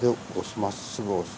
まっすぐ押す。